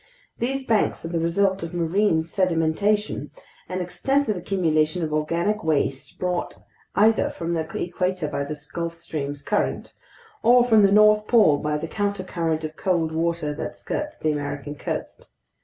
These banks are the result of marine sedimentation, an extensive accumulation of organic waste brought either from the equator by the Gulf Stream's current, or from the North Pole by the countercurrent of cold water that skirts the American coast.